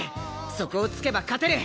そこを突けば勝てる！